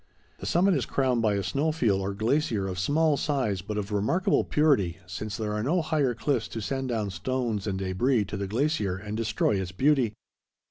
The summit is crowned by a snow field or glacier of small size but of remarkable purity, since there are no higher cliffs to send down stones and debris to the glacier and destroy its beauty.